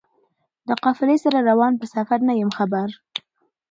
له قافلې سره روان په سفر نه یم خبر